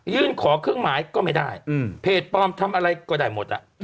ขอเครื่องหมายก็ไม่ได้เพจปลอมทำอะไรก็ได้หมด